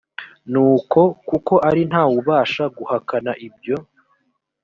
nuko kuko ari nta wubasha guhakana ibyo